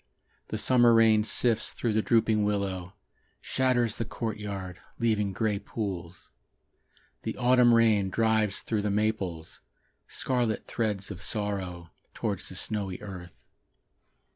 The summer rain sifts through the drooping willow, Shatters the courtyard Leaving grey pools. The autumn rain drives through the maples Scarlet threads of sorrow, Towards the snowy earth.